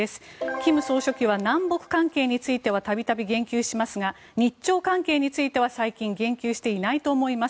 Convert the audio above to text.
金総書記は南北関係については度々言及しますが日朝関係については最近、言及していないと思います。